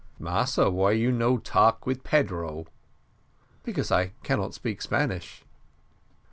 "Massa, why you no talk with Pedro?" "Because I cannot speak Spanish."